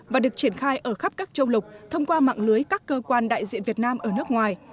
và được triển khai ở khắp các châu lục thông qua mạng lưới các cơ quan đại diện việt nam ở nước ngoài